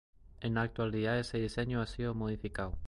En la actualidad, ese diseño ha sido modificado.